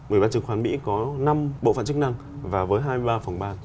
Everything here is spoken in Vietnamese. ủy ban chứng khoán mỹ có năm bộ phận chức năng và với hai mươi ba phòng ban